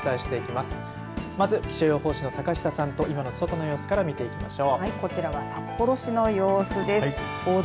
まず、気象予報士の坂下さんと今の外の様子から見ていきましょう。